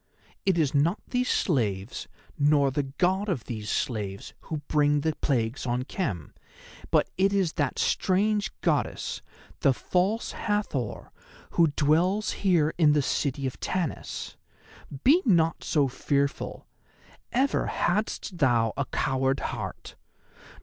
It is not these slaves, nor the God of these slaves, who bring the plagues on Khem, but it is that strange Goddess, the False Hathor, who dwells here in the city of Tanis. Be not so fearful—ever hadst thou a coward heart.